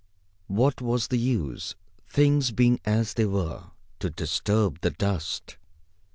What was the use, things being as they were, to disturb the dust?